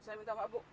saya minta pak bu